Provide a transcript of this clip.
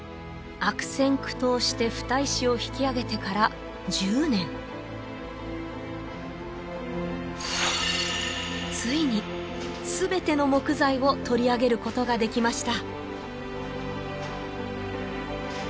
悪戦苦闘して蓋石を引き上げてから１０年ついに全ての木材を取り上げることができました